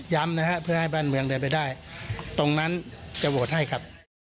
นะฮะเพื่อให้บ้านเมืองเดินไปได้ตรงนั้นจะโหวตให้ครับ